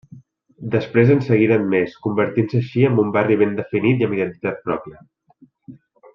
Després en seguiren més, convertint-se així amb un barri ben definit i amb identitat pròpia.